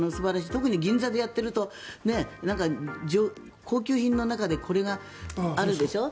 特に銀座でやってると高級品の中にこれが、あるんでしょ。